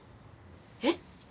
えっ？